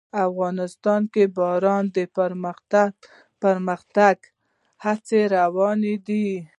افغانستان کې د باران د پرمختګ هڅې روانې دي.